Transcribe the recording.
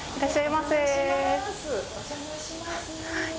お邪魔します。